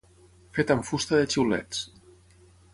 Fet amb fusta de xiulets.